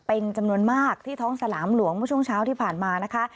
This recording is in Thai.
เป็นจำนวนมากที่ท้องสนามหลวงเมื่อช่วงเช้าที่ผ่านมานะคะ